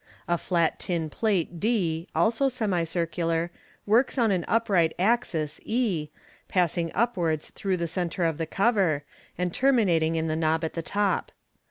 A flat tin plate, d, also semicircular, works on an upright axis, e, passing upwards through the centre of the cover, and terminating in the knob on the top.